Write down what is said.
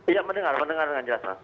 iya mendengar mendengar dengan jelas mas